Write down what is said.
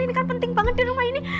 ini kan penting banget di rumah ini